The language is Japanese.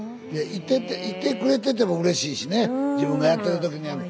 いやいてていてくれててもうれしいしね自分がやってる時に。